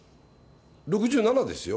６７ですよ。